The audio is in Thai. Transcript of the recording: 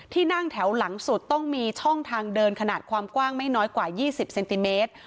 นั่งแถวหลังสุดต้องมีช่องทางเดินขนาดความกว้างไม่น้อยกว่า๒๐เซนติเมตร